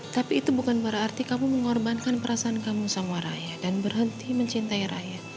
tapi itu bukan berarti kamu mengorbankan perasaan kamu sama raya dan berhenti mencintai rakyat